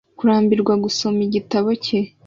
Kurambirwa gusoma igitabo cye